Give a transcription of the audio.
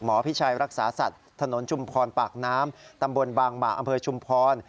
พิชัยรักษาสัตว์ถนนชุมพรปากน้ำตำบลบางหมาอำเภอชุมพร